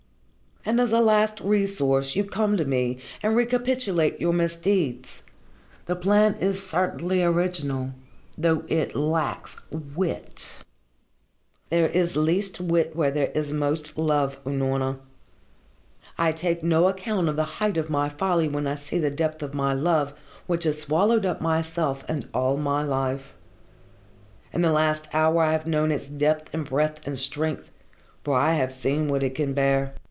"And as a last resource you come to me and recapitulate your misdeeds. The plan is certainly original, though it lacks wit." "There is least wit where there is most love, Unorna. I take no account of the height of my folly when I see the depth of my love, which has swallowed up myself and all my life. In the last hour I have known its depth and breadth and strength, for I have seen what it can bear.